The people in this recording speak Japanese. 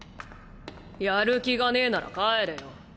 やる気がねぇなら帰れよ。